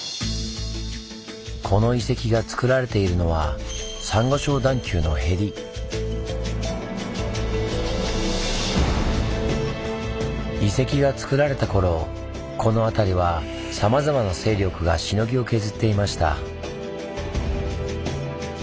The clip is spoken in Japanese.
この遺跡がつくられているのは遺跡がつくられた頃この辺りはさまざまな勢力がしのぎを削っていました。